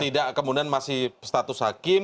tidak kemudian masih status hakim